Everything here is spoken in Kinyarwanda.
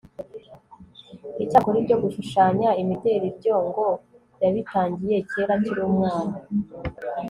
icyakora ibyo gushushanya imideli byo ngo yabitangiye kera akiri umwana